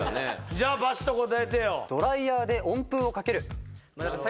じゃあバシっと答えてよ